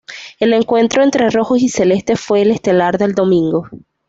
El encuentro entre rojos y celestes fue el estelar del domingo.